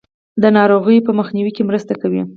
د ناروغیو په مخنیوي کې مرسته کوي.